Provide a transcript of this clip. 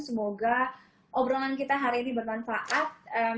semoga obrolan kita hari ini bermanfaat